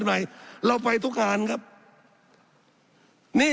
สับขาหลอกกันไปสับขาหลอกกันไป